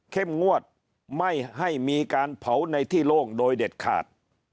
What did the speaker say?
งวดไม่ให้มีการเผาในที่โล่งโดยเด็ดขาด